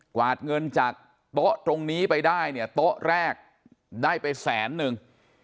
วาดเงินจากโต๊ะตรงนี้ไปได้เนี่ยโต๊ะแรกได้ไปแสนนึง